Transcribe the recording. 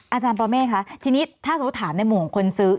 อาจารย์ปรเมฆคะทีนี้ถ้าสมมุติถามในมุมของคนซื้อ